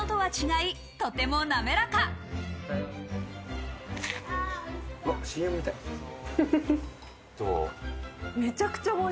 うわっ、ＣＭみたい。